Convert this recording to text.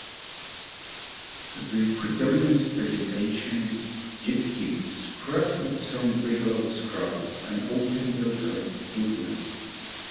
The predominant vegetation is gidgee scrub with some brigalow scrub and open eucalypt woodland.